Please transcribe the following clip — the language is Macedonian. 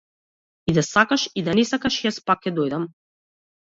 И да сакаш и да не сакаш јас пак ќе дојдам.